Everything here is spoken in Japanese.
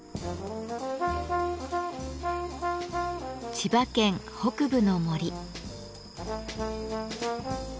千葉県北部の森。